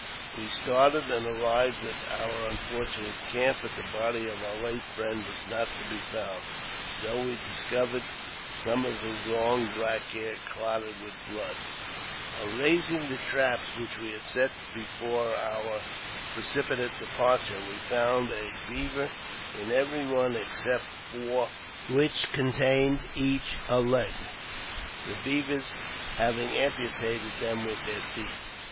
We started, and arrived at our unfortunate camp, but the body of our late friend was not to be found, though we dis covered some of his long black hair clotted with blood. On raising the traps which we had set before our precipi tate departure, we found a beaver in every one except four,, which contained each a leg, the beavers having amputated them with their teeth.